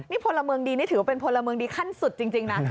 นี่พลเมืองดีนี่ถือว่าเป็นพลเมืองดีขั้นสุดจริงนะ